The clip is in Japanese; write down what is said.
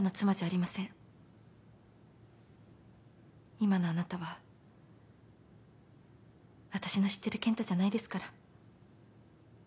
今のあなたは私の知ってる健太じゃないですから。